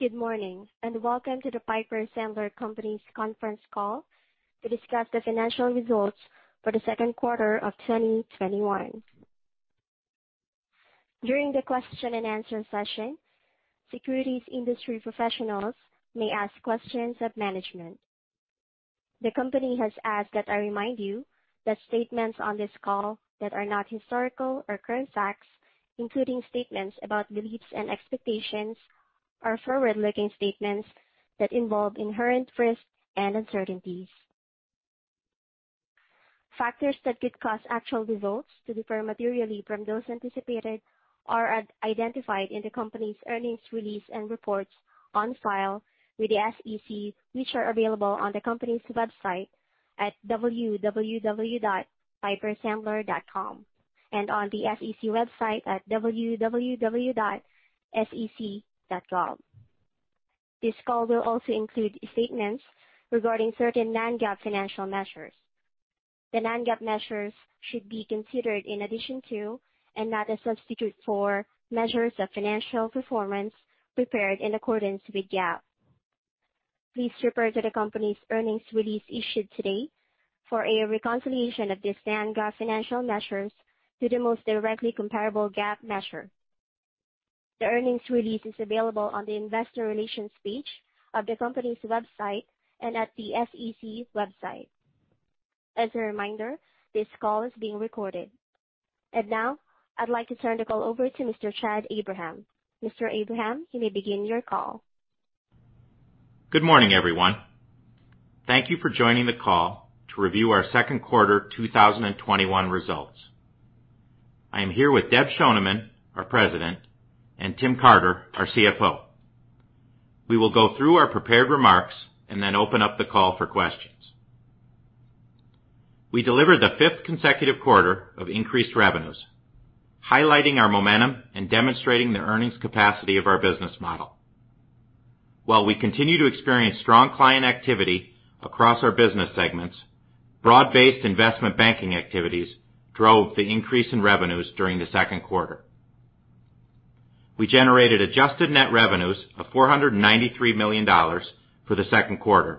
Good morning, and welcome to The Piper Sandler Companies' conference call to discuss the financial results for the Q2 of 2021. During the question and answer session, securities industry professionals may ask questions of management. The company has asked that I remind you that statements on this call that are not historical or current facts, including statements about beliefs and expectations, are forward-looking statements that involve inherent risks and uncertainties. Factors that could cause actual results to differ materially from those anticipated are identified in the company's earnings release and reports on file with the SEC, which are available on the company's website at www.pipersandler.com and on the SEC website at www.sec.gov. This call will also include statements regarding certain non-GAAP financial measures. The non-GAAP measures should be considered in addition to, and not a substitute for, measures of financial performance prepared in accordance with GAAP. Please refer to the company's earnings release issued today for a reconciliation of these non-GAAP financial measures to the most directly comparable GAAP measure. The earnings release is available on the investor relations page of the company's website and at the SEC's website. As a reminder, this call is being recorded. Now, I'd like to turn the call over to Mr. Chad Abraham. Mr. Abraham, you may begin your call. Good morning, everyone. Thank you for joining the call to review our Q2 2021 results. I am here with Deb Schoneman, our President, and Tim Carter, our CFO. We will go through our prepared remarks and then open up the call for questions. We delivered the fifth consecutive quarter of increased revenues, highlighting our momentum and demonstrating the earnings capacity of our business model. While we continue to experience strong client activity across our business segments, broad-based investment banking activities drove the increase in revenues during the Q2. We generated adjusted net revenues of $493 million for the Q2,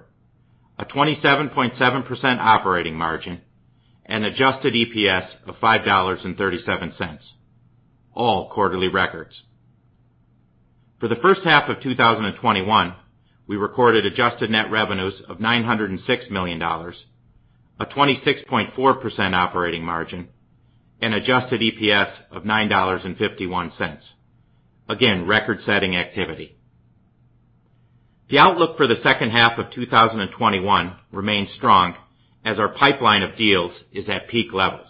a 27.7% operating margin, and adjusted EPS of $5.37. All quarterly records. For the H1 of 2021, we recorded adjusted net revenues of $906 million, a 26.4% operating margin, and adjusted EPS of $9.51. Again, record-setting activity. The outlook for the H2 of 2021 remains strong as our pipeline of deals is at peak levels.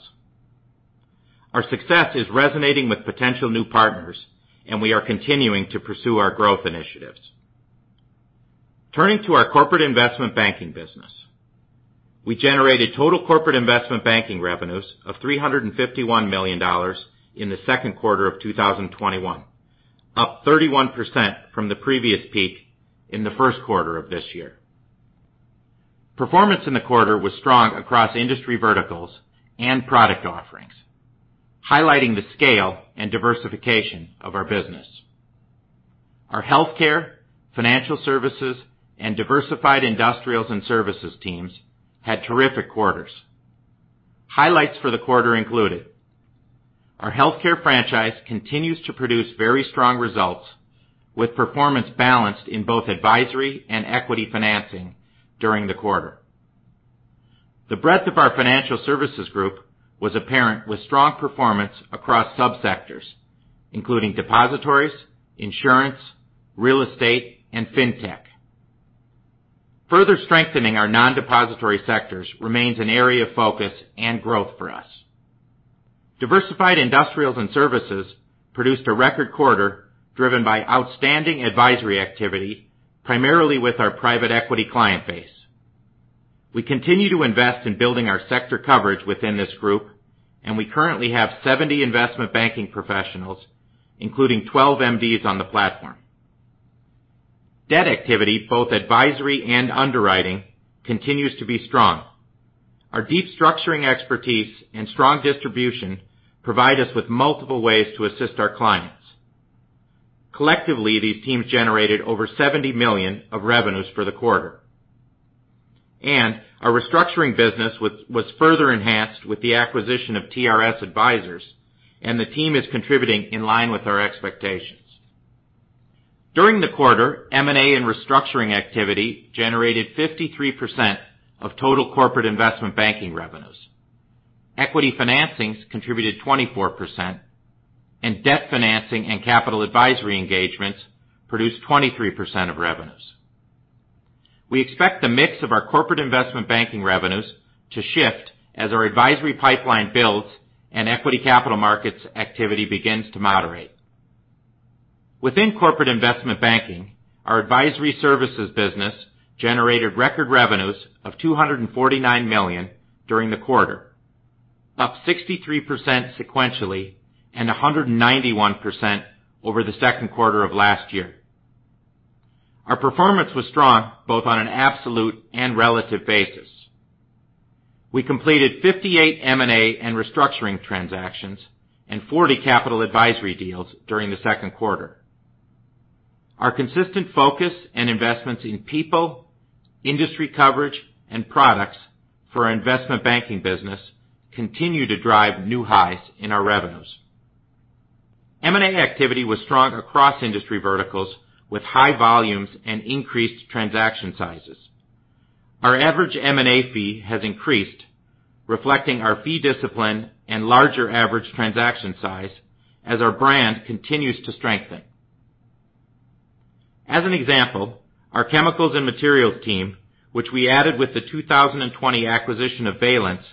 Our success is resonating with potential new partners. We are continuing to pursue our growth initiatives. Turning to our corporate investment banking business. We generated total corporate investment banking revenues of $351 million in the Q2 of 2021, up 31% from the previous peak in the Q1 of this year. Performance in the quarter was strong across industry verticals and product offerings, highlighting the scale and diversification of our business. Our healthcare, financial services, and diversified industrials and services teams had terrific quarters. Highlights for the quarter included, our healthcare franchise continues to produce very strong results, with performance balanced in both advisory and equity financing during the quarter. The breadth of our Financial Services Group was apparent with strong performance across sub-sectors, including depositories, insurance, real estate, and fintech. Further strengthening our non-depository sectors remains an area of focus and growth for us. Diversified Industrials and Services produced a record quarter driven by outstanding advisory activity, primarily with our private equity client base. We continue to invest in building our sector coverage within this group, and we currently have 70 investment banking professionals, including 12 MDs on the platform. Debt activity, both advisory and underwriting, continues to be strong. Our deep structuring expertise and strong distribution provide us with multiple ways to assist our clients. Collectively, these teams generated over $70 million of revenues for the quarter. Our restructuring business was further enhanced with the acquisition of TRS Advisors, and the team is contributing in line with our expectations. During the quarter, M&A and restructuring activity generated 53% of total corporate investment banking revenues. Equity financings contributed 24%, and debt financing and capital advisory engagements produced 23% of revenues. We expect the mix of our corporate investment banking revenues to shift as our advisory pipeline builds and equity capital markets activity begins to moderate. Within corporate investment banking, our advisory services business generated record revenues of $249 million during the quarter, up 63% sequentially and 191% over the Q2 of last year. Our performance was strong both on an absolute and relative basis. We completed 58 M&A and restructuring transactions and 40 capital advisory deals during the Q2. Our consistent focus and investments in people, industry coverage, and products for our investment banking business continue to drive new highs in our revenues. M&A activity was strong across industry verticals with high volumes and increased transaction sizes. Our average M&A fee has increased, reflecting our fee discipline and larger average transaction size as our brand continues to strengthen. As an example, our chemicals and materials team, which we added with the 2020 acquisition of Valence,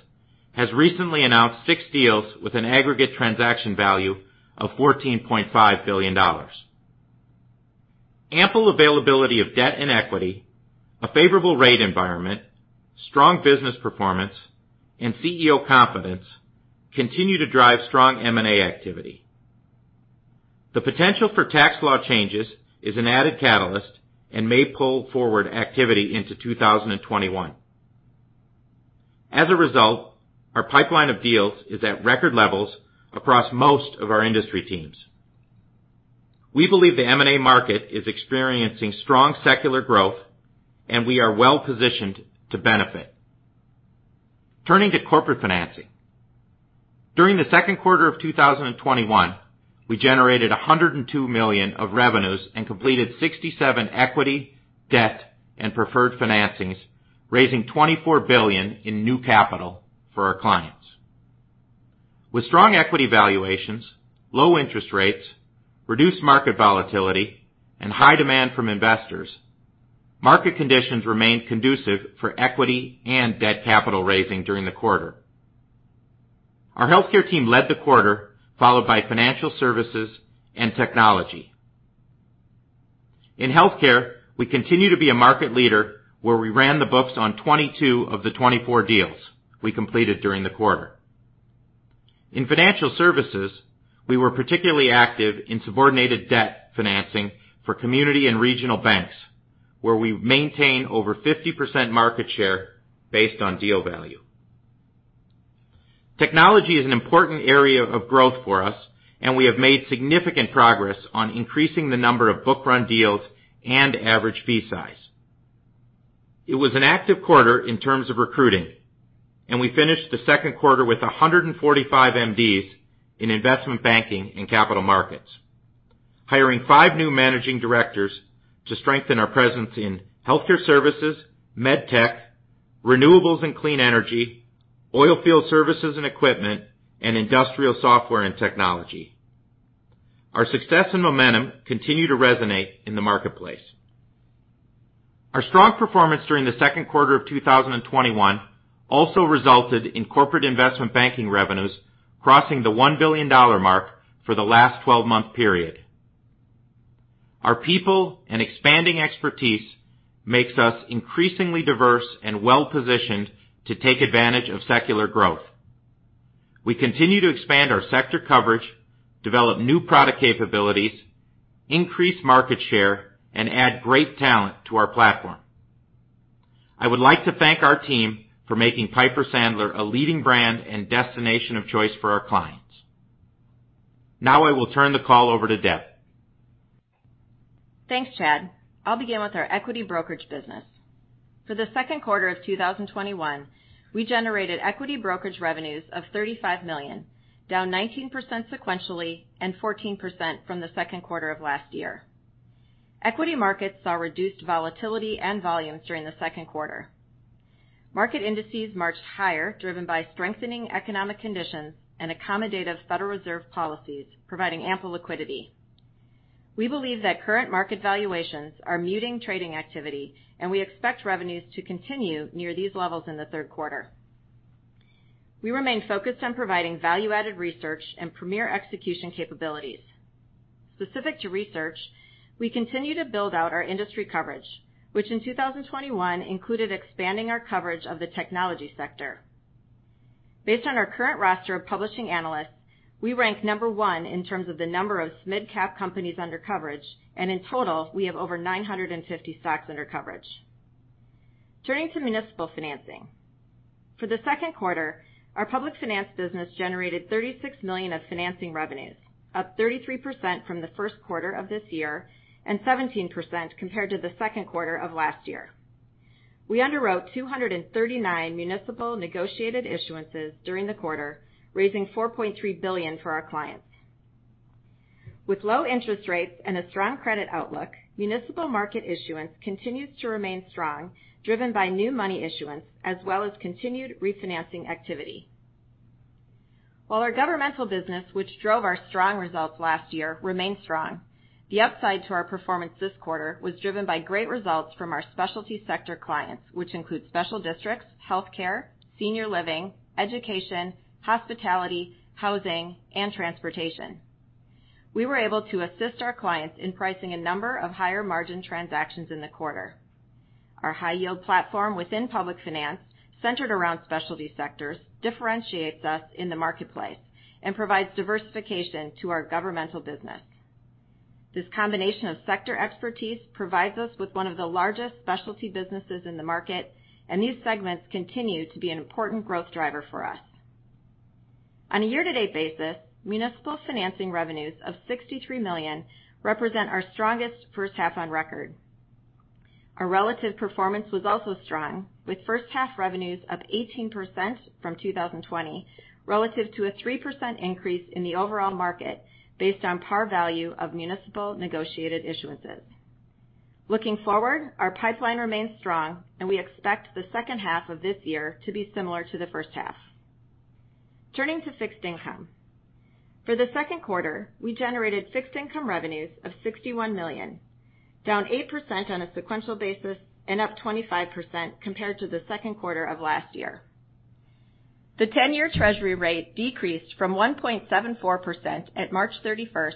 has recently announced six deals with an aggregate transaction value of $14.5 billion. Ample availability of debt and equity, a favorable rate environment, strong business performance, and CEO confidence continue to drive strong M&A activity. The potential for tax law changes is an added catalyst and may pull forward activity into 2021. As a result, our pipeline of deals is at record levels across most of our industry teams. We believe the M&A market is experiencing strong secular growth, and we are well-positioned to benefit. Turning to corporate financing. During the Q2 of 2021, we generated $102 million of revenues and completed 67 equity, debt, and preferred financings, raising $24 billion in new capital for our clients. With strong equity valuations, low interest rates, reduced market volatility, and high demand from investors, market conditions remained conducive for equity and debt capital raising during the quarter. Our healthcare team led the quarter, followed by financial services and technology. In healthcare, we continue to be a market leader, where we ran the books on 22 of the 24 deals we completed during the quarter. In financial services, we were particularly active in subordinated debt financing for community and regional banks, where we maintain over 50% market share based on deal value. We have made significant progress on increasing the number of book-run deals and average fee size. It was an active quarter in terms of recruiting, and we finished the Q2 with 145 MDs in investment banking and capital markets, hiring five new managing directors to strengthen our presence in healthcare services, med tech, renewables and clean energy, oil field services and equipment, and industrial software and technology. Our success and momentum continue to resonate in the marketplace. Our strong performance during the Q2 of 2021 also resulted in corporate investment banking revenues crossing the $1 billion mark for the last 12-month period. Our people and expanding expertise makes us increasingly diverse and well-positioned to take advantage of secular growth. We continue to expand our sector coverage, develop new product capabilities, increase market share, and add great talent to our platform. I would like to thank our team for making Piper Sandler a leading brand and destination of choice for our clients. Now I will turn the call over to Deb. Thanks, Chad. I'll begin with our equity brokerage business. For the Q2 of 2021, we generated equity brokerage revenues of $35 million, down 19% sequentially and 14% from the Q2 of last year. Equity markets saw reduced volatility and volumes during the Q2. Market indices marched higher, driven by strengthening economic conditions and accommodative Federal Reserve policies providing ample liquidity. We believe that current market valuations are muting trading activity, and we expect revenues to continue near these levels in the Q3. We remain focused on providing value-added research and premier execution capabilities. Specific to research, we continue to build out our industry coverage, which in 2021 included expanding our coverage of the technology sector. Based on our current roster of publishing analysts, we rank number one in terms of the number of mid-cap companies under coverage, and in total, we have over 950 stocks under coverage. Turning to municipal financing. For the Q2, our public finance business generated $36 million of financing revenues, up 33% from the Q1 of this year and 17% compared to the Q2 of last year. We underwrote 239 municipal negotiated issuances during the quarter, raising $4.3 billion for our clients. With low interest rates and a strong credit outlook, municipal market issuance continues to remain strong, driven by new money issuance as well as continued refinancing activity. While our governmental business, which drove our strong results last year, remains strong, the upside to our performance this quarter was driven by great results from our specialty sector clients, which include special districts, healthcare, senior living, education, hospitality, housing, and transportation. We were able to assist our clients in pricing a number of higher-margin transactions in the quarter. Our high yield platform within public finance, centered around specialty sectors, differentiates us in the marketplace and provides diversification to our governmental business. This combination of sector expertise provides us with one of the largest specialty businesses in the market, and these segments continue to be an important growth driver for us. On a year-to-date basis, municipal financing revenues of $63 million represent our strongest H1 on record. Our relative performance was also strong, with H1 revenues of 18% from 2020 relative to a 3% increase in the overall market based on par value of municipal negotiated issuances. Looking forward, our pipeline remains strong, and we expect the H2 of this year to be similar to the H1. Turning to fixed income. For the Q2, we generated fixed income revenues of $61 million, down 8% on a sequential basis and up 25% compared to the Q2 of last year. The 10-year Treasury rate decreased from 1.74% at March 31st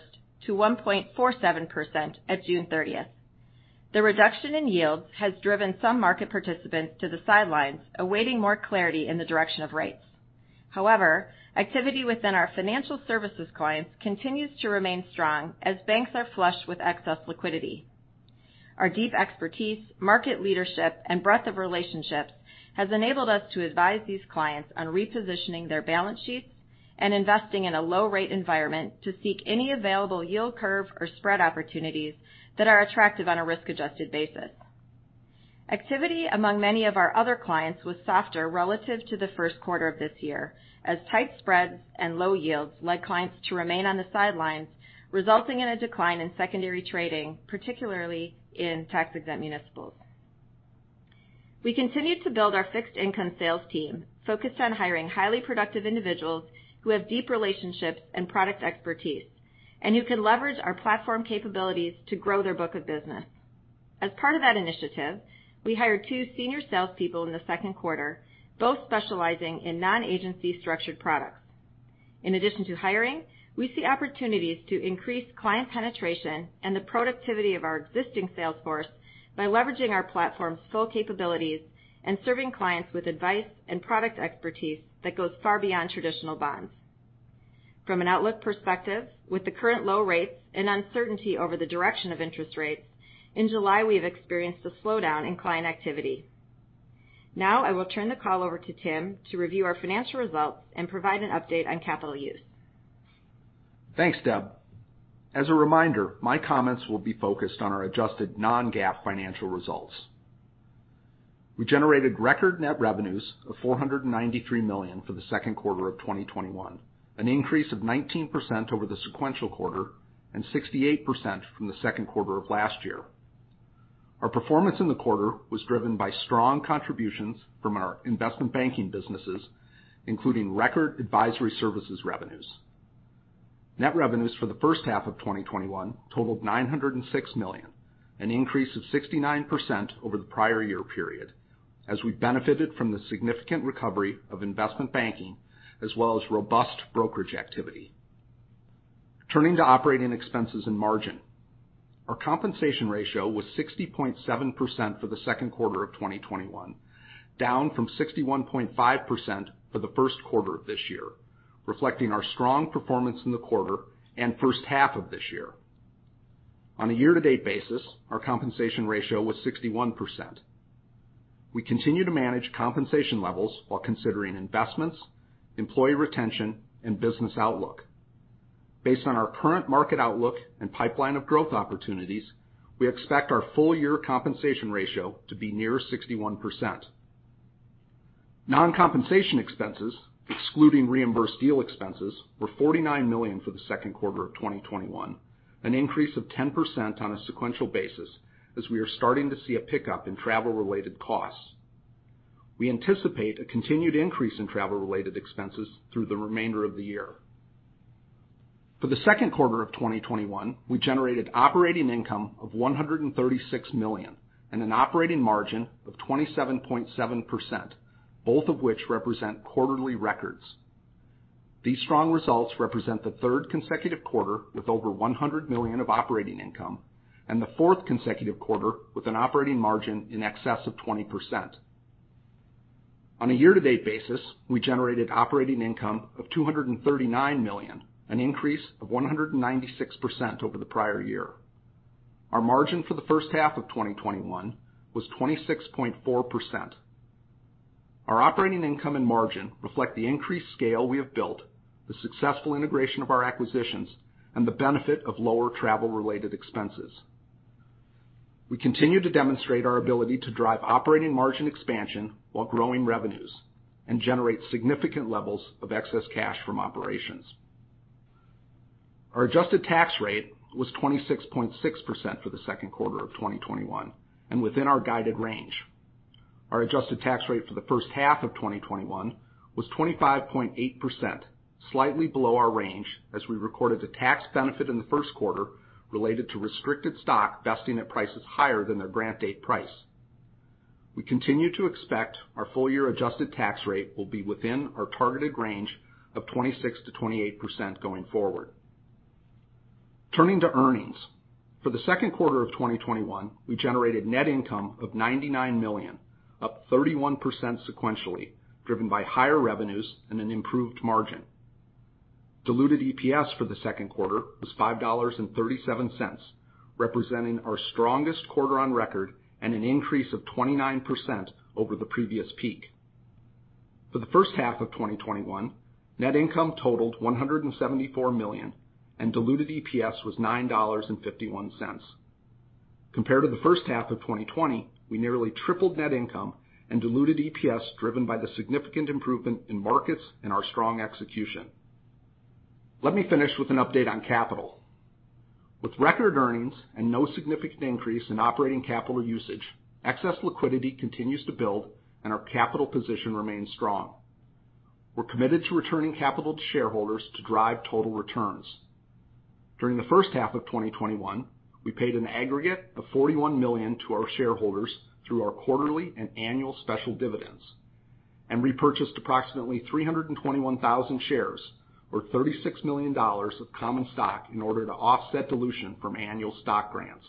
to 1.47% at June 30th. The reduction in yields has driven some market participants to the sidelines, awaiting more clarity in the direction of rates. However, activity within our financial services clients continues to remain strong as banks are flush with excess liquidity. Our deep expertise, market leadership, and breadth of relationships has enabled us to advise these clients on repositioning their balance sheets and investing in a low-rate environment to seek any available yield curve or spread opportunities that are attractive on a risk-adjusted basis. Activity among many of our other clients was softer relative to the Q1 of this year, as tight spreads and low yields led clients to remain on the sidelines, resulting in a decline in secondary trading, particularly in tax-exempt municipals. We continued to build our fixed income sales team, focused on hiring highly productive individuals who have deep relationships and product expertise, and who can leverage our platform capabilities to grow their book of business. As part of that initiative, we hired two senior salespeople in the Q2, both specializing in non-agency structured products. In addition to hiring, we see opportunities to increase client penetration and the productivity of our existing sales force by leveraging our platform's full capabilities and serving clients with advice and product expertise that goes far beyond traditional bonds. From an outlook perspective, with the current low rates and uncertainty over the direction of interest rates, in July, we have experienced a slowdown in client activity. Now, I will turn the call over to Tim to review our financial results and provide an update on capital use. Thanks, Deb. As a reminder, my comments will be focused on our adjusted non-GAAP financial results. We generated record net revenues of $493 million for the Q2 of 2021, an increase of 19% over the sequential quarter and 68% from the Q2 of last year. Our performance in the quarter was driven by strong contributions from our investment banking businesses, including record advisory services revenues. Net revenues for the H1 of 2021 totaled $906 million, an increase of 69% over the prior year period, as we benefited from the significant recovery of investment banking as well as robust brokerage activity. Turning to operating expenses and margin. Our compensation ratio was 60.7% for the Q2 of 2021, down from 61.5% for the Q1 of this year, reflecting our strong performance in the quarter and H1 of this year. On a year-to-date basis, our compensation ratio was 61%. We continue to manage compensation levels while considering investments, employee retention, and business outlook. Based on our current market outlook and pipeline of growth opportunities, we expect our full-year compensation ratio to be near 61%. Non-compensation expenses, excluding reimbursed deal expenses, were $49 million for the Q2 2021, an increase of 10% on a sequential basis as we are starting to see a pickup in travel-related costs. We anticipate a continued increase in travel-related expenses through the remainder of the year. For the Q2 2021, we generated operating income of $136 million and an operating margin of 27.7%, both of which represent quarterly records. These strong results represent the third consecutive quarter with over $100 million of operating income and the fourth consecutive quarter with an operating margin in excess of 20%. On a year-to-date basis, we generated operating income of $239 million, an increase of 196% over the prior year. Our margin for the H1 of 2021 was 26.4%. Our operating income and margin reflect the increased scale we have built, the successful integration of our acquisitions, and the benefit of lower travel-related expenses. We continue to demonstrate our ability to drive operating margin expansion while growing revenues and generate significant levels of excess cash from operations. Our adjusted tax rate was 26.6% for the Q2 of 2021, and within our guided range. Our adjusted tax rate for the H1 of 2021 was 25.8%, slightly below our range as we recorded a tax benefit in the Q1 related to restricted stock vesting at prices higher than their grant date price. We continue to expect our full-year adjusted tax rate will be within our targeted range of 26%-28% going forward. Turning to earnings. For the Q2 of 2021, we generated net income of $99 million, up 31% sequentially, driven by higher revenues and an improved margin. Diluted EPS for the Q2 was $5.37, representing our strongest quarter on record and an increase of 29% over the previous peak. For the H1 of 2021, net income totaled $174 million, and diluted EPS was $9.51. Compared to the H1 of 2020, we nearly tripled net income and diluted EPS driven by the significant improvement in markets and our strong execution. Let me finish with an update on capital. With record earnings and no significant increase in operating capital usage, excess liquidity continues to build, and our capital position remains strong. We're committed to returning capital to shareholders to drive total returns. During the H1 of 2021, we paid an aggregate of $41 million to our shareholders through our quarterly and annual special dividends and repurchased approximately 321,000 shares or $36 million of common stock in order to offset dilution from annual stock grants.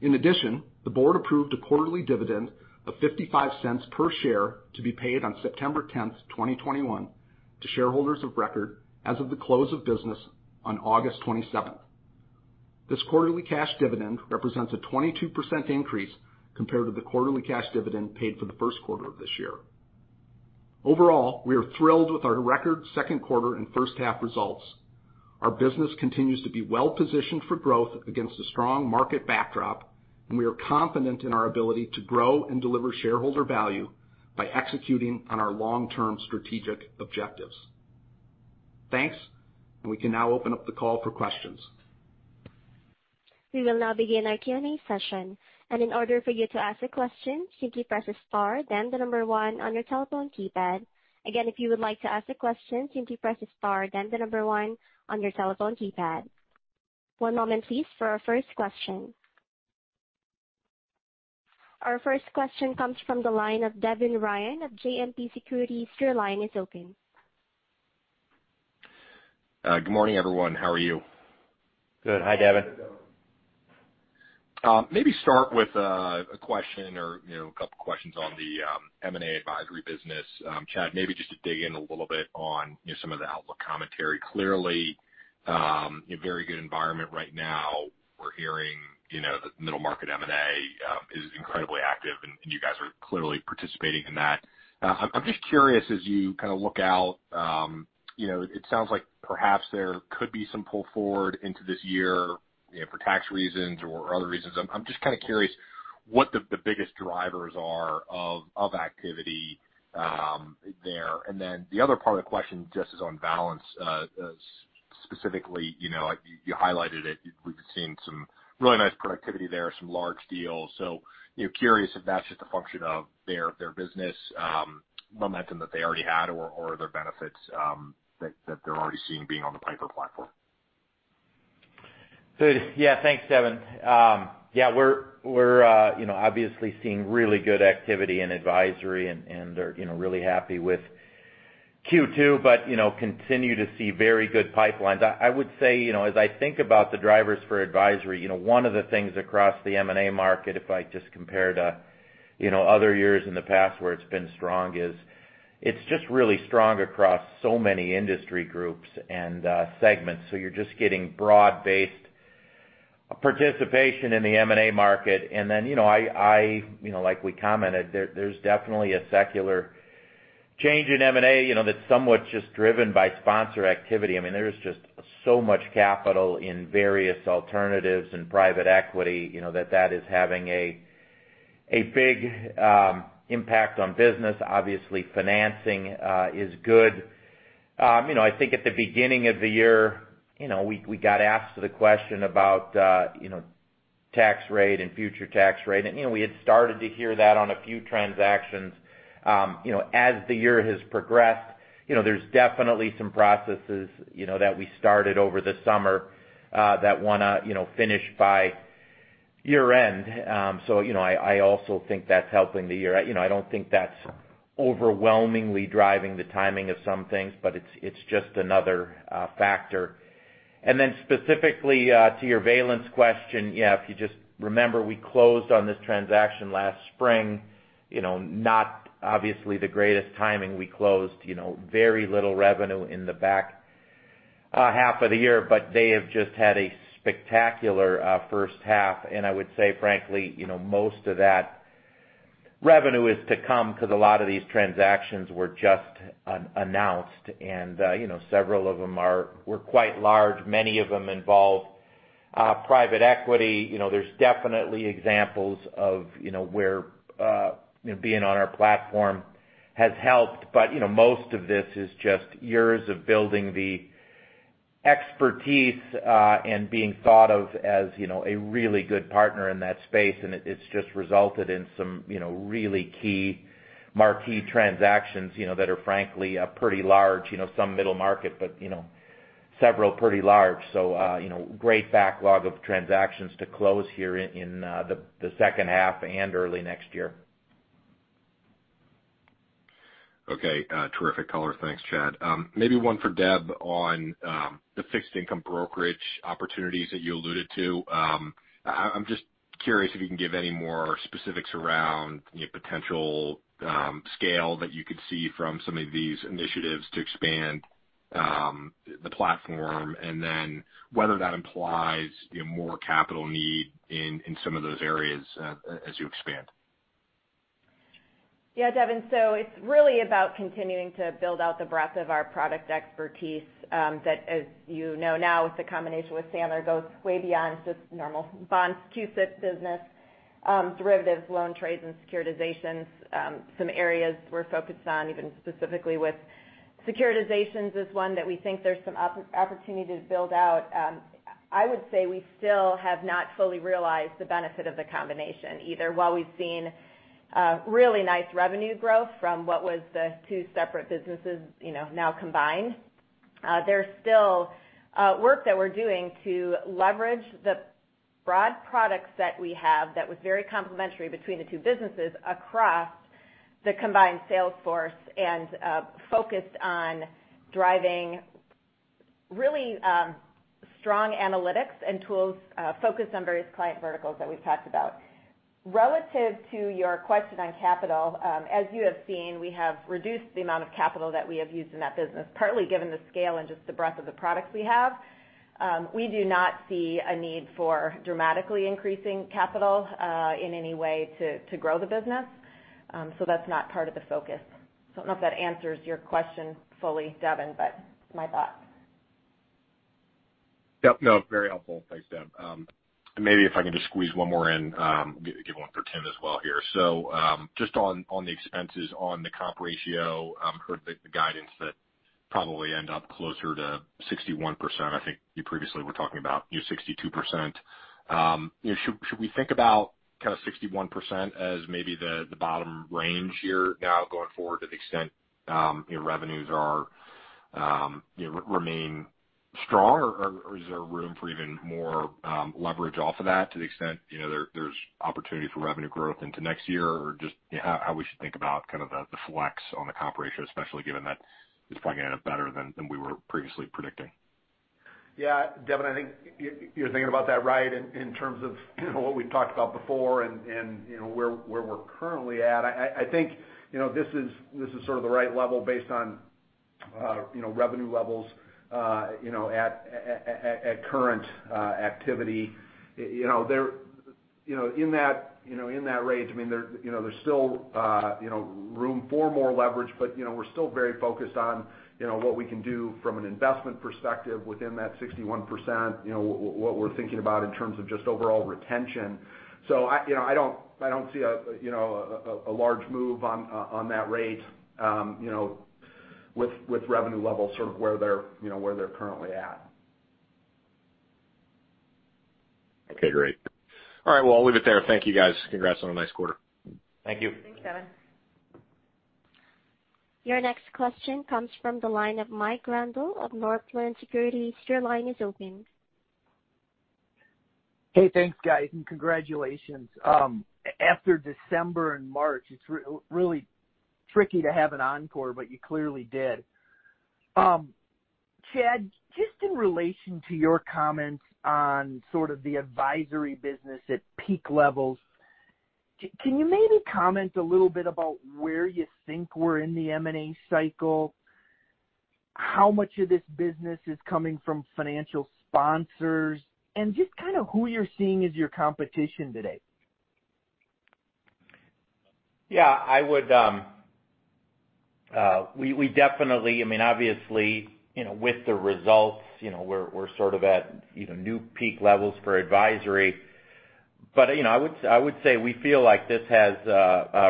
In addition, the board approved a quarterly dividend of $0.55 per share to be paid on September 10th, 2021, to shareholders of record as of the close of business on August 27th. This quarterly cash dividend represents a 22% increase compared to the quarterly cash dividend paid for the Q1 of this year. Overall, we are thrilled with our record Q2 and first-half results. Our business continues to be well-positioned for growth against a strong market backdrop, and we are confident in our ability to grow and deliver shareholder value by executing on our long-term strategic objectives. Thanks. We can now open up the call for questions. We will now begin our Q&A session. In order for you to ask a question, simply press star then the number one on your telephone keypad. Again, if you would like to ask a question, simply press star then the number one on your telephone keypad. One moment please for our first question. Our first question comes from the line of Devin Ryan of JMP Securities. Your line is open. Good morning, everyone. How are you? Good. Hi, Devin. Maybe start with a question or a couple of questions on the M&A advisory business. Chad, maybe just to dig in a little bit on some of the outlook commentary. Clearly, a very good environment right now. We're hearing the middle market M&A is incredibly active, and you guys are clearly participating in that. I'm just curious, as you look out, it sounds like perhaps there could be some pull forward into this year for tax reasons or other reasons. I'm just curious what the biggest drivers are of activity there. The other part of the question just is on balance, specifically, you highlighted it, we've seen some really nice productivity there, some large deals. Curious if that's just a function of their business momentum that they already had or other benefits that they're already seeing being on the Piper platform. Good. Thanks, Devin. We're obviously seeing really good activity in advisory and are really happy with Q2, but continue to see very good pipelines. I would say, as I think about the drivers for advisory, one of the things across the M&A market, if I just compare to other years in the past where it's been strong is it's just really strong across so many industry groups and segments. You're just getting broad-based participation in the M&A market. Like we commented, there's definitely a secular change in M&A that's somewhat just driven by sponsor activity. There is just so much capital in various alternatives and private equity that is having a big impact on business. Obviously, financing is good. I think at the beginning of the year, we got asked the question about tax rate and future tax rate. We had started to hear that on a few transactions. As the year has progressed, there's definitely some processes that we started over the summer that want to finish by year-end. I also think that's helping the year. I don't think that's overwhelmingly driving the timing of some things, but it's just another factor. Then specifically to your Valence question, yeah, if you just remember, we closed on this transaction last spring, not obviously the greatest timing. We closed very little revenue in the back half of the year, but they have just had a spectacular H1. I would say, frankly, most of that revenue is to come because a lot of these transactions were just announced, and several of them were quite large. Many of them involved private equity. There's definitely examples of where being on our platform has helped. Most of this is just years of building the expertise and being thought of as a really good partner in that space, and it's just resulted in some really key marquee transactions that are frankly pretty large, some middle market, but several pretty large. Great backlog of transactions to close here in the H2 and early next year. Okay. Terrific, caller. Thanks, Chad. Maybe one for Deb on the fixed income brokerage opportunities that you alluded to. I'm just curious if you can give any more specifics around potential scale that you could see from some of these initiatives to expand the platform, then whether that implies more capital need in some of those areas as you expand. Yeah, Devin, it's really about continuing to build out the breadth of our product expertise, that as you know now, with the combination with Sandler, goes way beyond just normal bonds, TIPS business, derivatives, loan trades, and securitizations. Some areas we're focused on, even specifically with securitizations, is one that we think there's some opportunity to build out. I would say we still have not fully realized the benefit of the combination either. While we've seen really nice revenue growth from what was the two separate businesses now combined, there's still work that we're doing to leverage the broad products that we have that was very complementary between the two businesses across the combined sales force and focused on driving really strong analytics and tools focused on various client verticals that we've talked about. Relative to your question on capital, as you have seen, we have reduced the amount of capital that we have used in that business, partly given the scale and just the breadth of the products we have. We do not see a need for dramatically increasing capital in any way to grow the business. That's not part of the focus. I don't know if that answers your question fully, Devin, but that's my thoughts. Yep, no, very helpful. Thanks, Deb. Maybe if I can just squeeze one more in, give one for Tim as well here. Just on the expenses on the comp ratio, heard the guidance that probably end up closer to 61%. I think you previously were talking about 62%. Should we think about kind of 61% as maybe the bottom range here now going forward to the extent your revenues remain strong, or is there room for even more leverage off of that to the extent there's opportunity for revenue growth into next year? Just how we should think about kind of the flex on the comp ratio, especially given that it's probably going to end up better than we were previously predicting. Yeah. Devin, I think you're thinking about that right in terms of what we've talked about before and where we're currently at. I think this is sort of the right level based on revenue levels at current activity. In that range, there's still room for more leverage, but we're still very focused on what we can do from an investment perspective within that 61%, what we're thinking about in terms of just overall retention. I don't see a large move on that rate with revenue levels sort of where they're currently at. Okay, great. All right, well, I'll leave it there. Thank you, guys. Congrats on a nice quarter. Thank you. Thanks, Devin. Your next question comes from the line of Mike Grondahl of Northland Securities. Your line is open. Hey, thanks, guys. Congratulations. After December and March, it's really tricky to have an encore, but you clearly did. Chad, just in relation to your comments on sort of the advisory business at peak levels, can you maybe comment a little bit about where you think we're in the M&A cycle, how much of this business is coming from financial sponsors, and just kind of who you're seeing as your competition today? Yeah. Obviously, with the results, we're sort of at new peak levels for advisory. I would say we feel like this has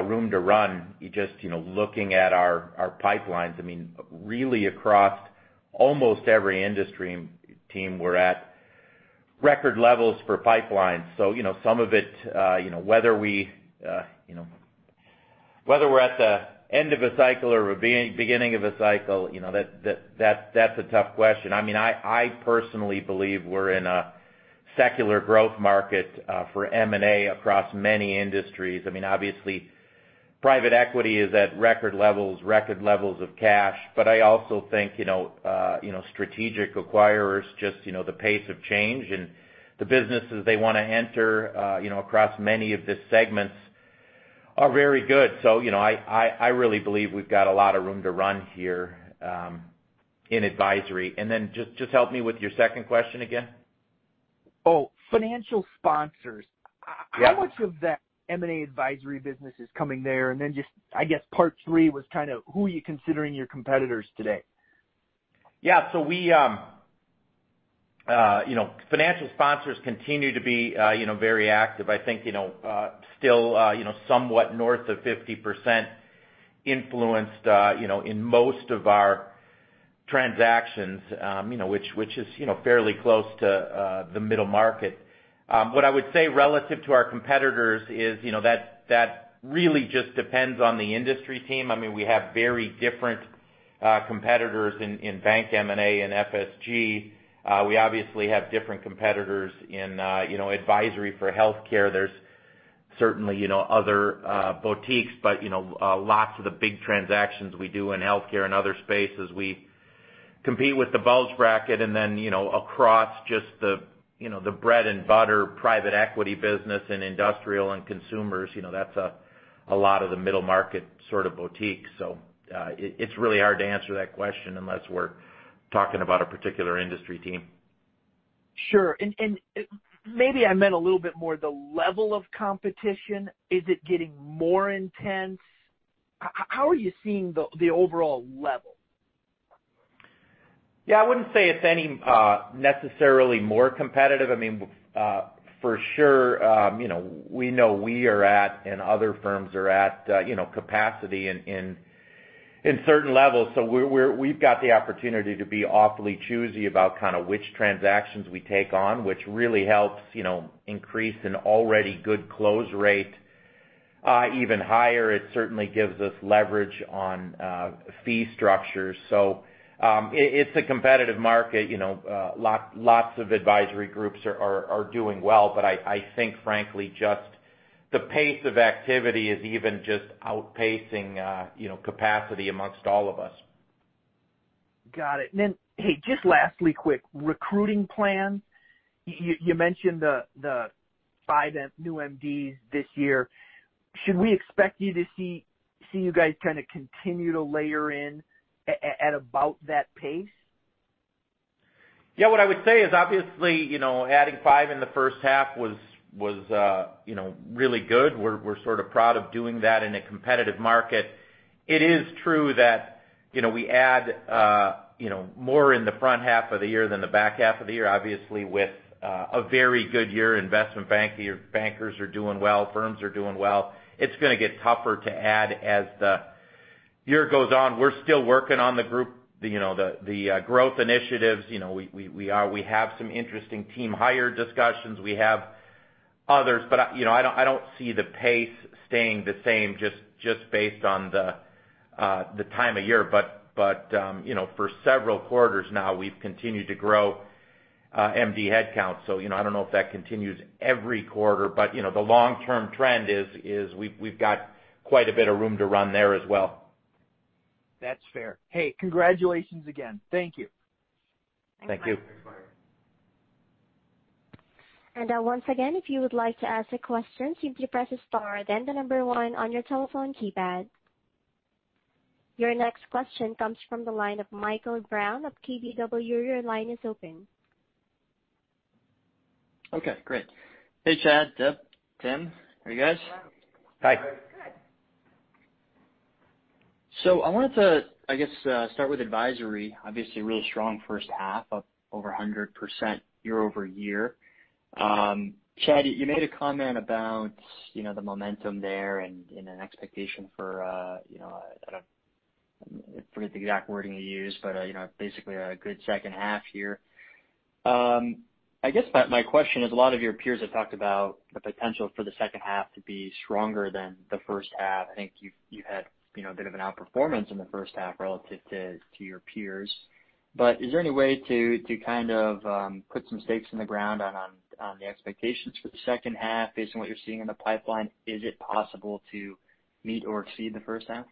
room to run. Just looking at our pipelines, really across almost every industry team, we're at record levels for pipelines. Some of it, whether we're at the end of a cycle or beginning of a cycle, that's a tough question. I personally believe we're in a secular growth market for M&A across many industries. Obviously, private equity is at record levels of cash. I also think strategic acquirers, just the pace of change, and the businesses they want to enter across many of the segments are very good. I really believe we've got a lot of room to run here in advisory. Just help me with your second question again. Oh, financial sponsors. Yeah. How much of that M&A advisory business is coming there? I guess part three was kind of who are you considering your competitors today? Yeah. Financial sponsors continue to be very active. I think still somewhat north of 50% influenced in most of our transactions, which is fairly close to the middle market. What I would say relative to our competitors is that really just depends on the industry team. We have very different competitors in bank M&A and FSG. We obviously have different competitors in advisory for healthcare. There's certainly other boutiques, but lots of the big transactions we do in healthcare and other spaces, we compete with the bulge bracket and then across just the bread and butter private equity business in industrial and consumers, that's a lot of the middle market sort of boutiques. It's really hard to answer that question unless we're talking about a one particular industry team. Sure. Maybe I meant a little bit more the level of competition. Is it getting more intense? How are you seeing the overall level? Yeah. I wouldn't say it's any necessarily more competitive. For sure, we know we are at, and other firms are at capacity in certain levels. We've got the opportunity to be awfully choosy about which transactions we take on, which really helps increase an already good close rate even higher. It certainly gives us leverage on fee structures. It's a competitive market. Lots of advisory groups are doing well. I think, frankly, just the pace of activity is even just outpacing capacity amongst all of us. Got it. Hey, just lastly, quick. Recruiting plan? You mentioned the five new MDs this year. Should we expect to see you guys kind of continue to layer in at about that pace? Yeah. What I would say is obviously, adding five in the H1 was really good. We're sort of proud of doing that in a competitive market. It is true that we add more in the front half of the year than the back half of the year, obviously with a very good year. Investment bankers are doing well, firms are doing well. It's going to get tougher to add as the year goes on. We're still working on the group, the growth initiatives. We have some interesting team hire discussions. We have others. I don't see the pace staying the same just based on the time of year. For several quarters now, we've continued to grow MD headcount. I don't know if that continues every quarter, but the long-term trend is we've got quite a bit of room to run there as well. That's fair. Hey, congratulations again. Thank you. Thank you. Once again, if you would like to ask a question, simply press star then the number one on your telephone keypad. Your next question comes from the line of Michael Brown of KBW. Your line is open. Okay, great. Hey, Chad, Deb, Tim. Hey, guys. Hi. I wanted to, I guess, start with advisory. Obviously, a really strong H1, up over 100% year-over-year. Chad, you made a comment about the momentum there and an expectation for, I forget the exact wording you used, but basically a good H2 here. I guess my question is, a lot of your peers have talked about the potential for the H2 to be stronger than the H1. I think you had a bit of an outperformance in the H1 relative to your peers. Is there any way to kind of put some stakes in the ground on the expectations for the H2 based on what you're seeing in the pipeline? Is it possible to meet or exceed the H1?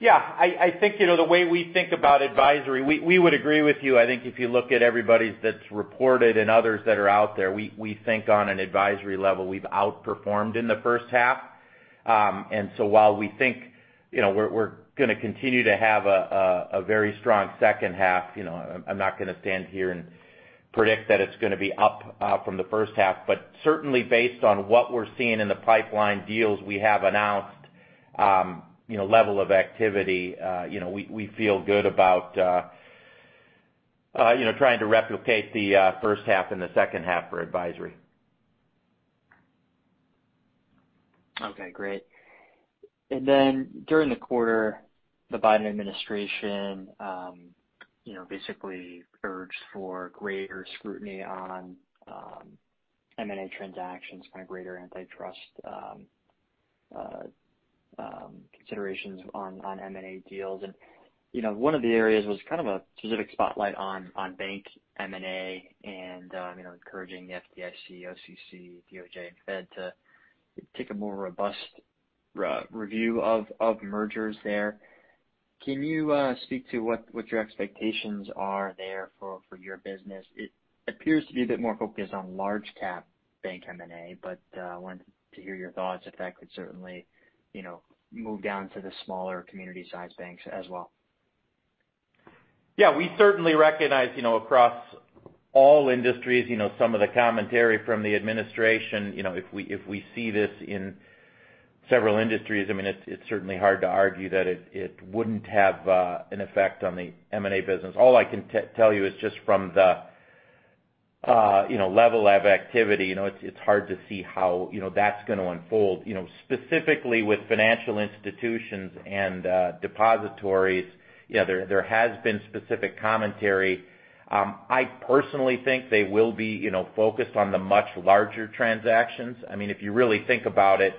Yeah. I think the way we think about advisory, we would agree with you. I think if you look at everybody that's reported and others that are out there, we think on an advisory level, we've outperformed in the H1. While we think we're going to continue to have a very strong H2, I'm not going to stand here and predict that it's going to be up from the H1. Certainly based on what we're seeing in the pipeline deals we have announced, level of activity, we feel good about trying to replicate the H1 and the H2 for advisory. Okay, great. During the quarter, the Biden administration basically urged for greater scrutiny on M&A transactions, kind of greater antitrust considerations on M&A deals. One of the areas was kind of a specific spotlight on bank M&A and encouraging the FDIC, OCC, DOJ, and Fed to take a more robust review of mergers there. Can you speak to what your expectations are there for your business? It appears to be a bit more focused on large cap bank M&A, but I wanted to hear your thoughts if that could certainly move down to the smaller community-sized banks as well. Yeah, we certainly recognize, across all industries, some of the commentary from the administration. If we see this in several industries, it's certainly hard to argue that it wouldn't have an effect on the M&A business. All I can tell you is just from the level of activity, it's hard to see how that's going to unfold. Specifically with financial institutions and depositories, there has been specific commentary. I personally think they will be focused on the much larger transactions. If you really think about it.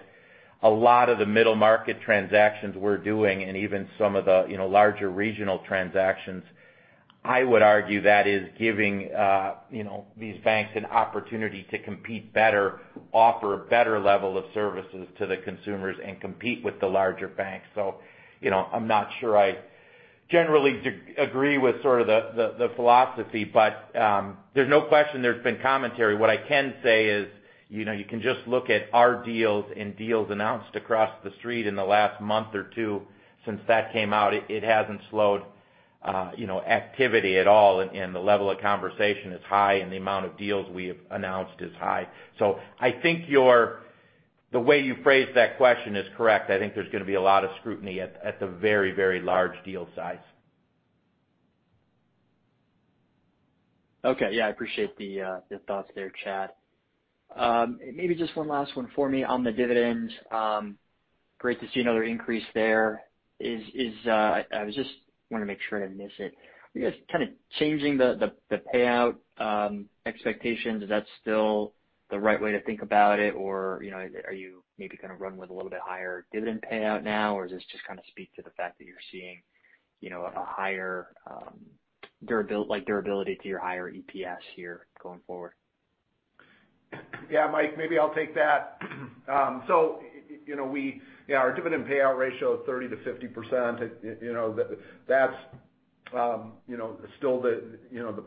A lot of the middle-market transactions we're doing, and even some of the larger regional transactions, I would argue that is giving these banks an opportunity to compete better, offer a better level of services to the consumers, and compete with the larger banks. I'm not sure I generally agree with sort of the philosophy, but there's no question there's been commentary. What I can say is you can just look at our deals and deals announced across the street in the last month or 2 since that came out. It hasn't slowed activity at all, and the level of conversation is high, and the amount of deals we have announced is high. I think the way you phrased that question is correct. I think there's going to be a lot of scrutiny at the very, very large deal size. Okay. Yeah, I appreciate the thoughts there, Chad. Maybe just one last one for me on the dividends. Great to see another increase there. I just want to make sure I didn't miss it. Are you guys kind of changing the payout expectations? Is that still the right way to think about it? Or are you maybe going to run with a little bit higher dividend payout now, or does this just kind of speak to the fact that you're seeing durability to your higher EPS here going forward? Mike, maybe I'll take that. Our dividend payout ratio of 30%-50%, that's still the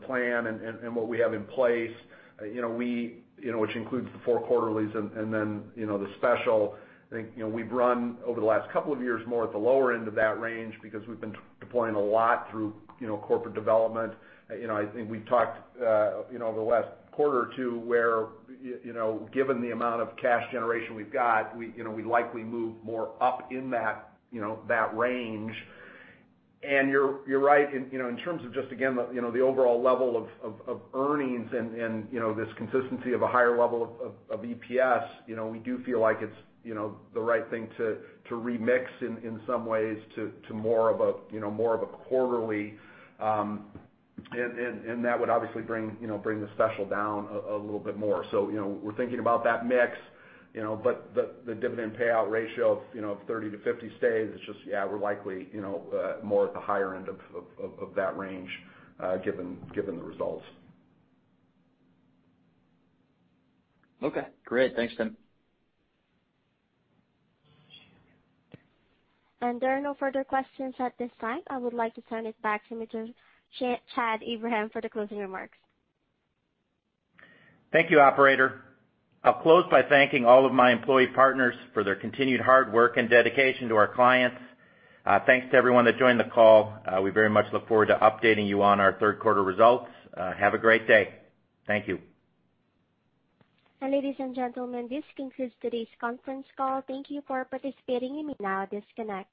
plan and what we have in place which includes the four quarterlies and then the special. I think we've run over the last couple of years more at the lower end of that range because we've been deploying a lot through corporate development. I think we've talked over the last quarter or two where, given the amount of cash generation we've got, we likely move more up in that range. You're right in terms of just, again, the overall level of earnings and this consistency of a higher level of EPS. We do feel like it's the right thing to remix in some ways to more of a quarterly, and that would obviously bring the special down a little bit more. We're thinking about that mix, but the dividend payout ratio of 30%-50% stays. It's just, yeah, we're likely more at the higher end of that range given the results. Okay, great. Thanks, Tim. There are no further questions at this time. I would like to turn it back to Mr. Chad Abraham for the closing remarks. Thank you, operator. I'll close by thanking all of my employee partners for their continued hard work and dedication to our clients. Thanks to everyone that joined the call. We very much look forward to updating you on our Q3 results. Have a great day. Thank you. Ladies and gentlemen, this concludes today's conference call. Thank you for participating. You may now disconnect.